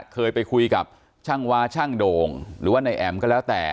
เคยไปคุยกับช่างวาช่างโด่งหรือว่านายแอ๋มก็แล้วแต่